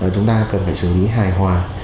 chúng ta cần phải xử lý hài hòa